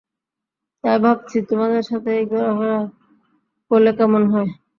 তাই ভাবছি, তোমাদের সাথেই ঘোরাফেরা করলে কেমন হয়।